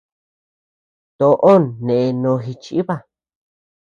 Toʼon nde no jichiba.